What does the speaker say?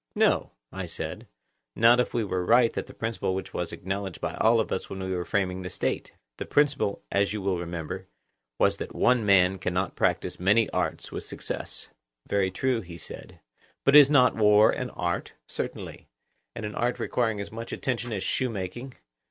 No, I said; not if we were right in the principle which was acknowledged by all of us when we were framing the State: the principle, as you will remember, was that one man cannot practise many arts with success. Very true, he said. But is not war an art? Certainly. And an art requiring as much attention as shoemaking?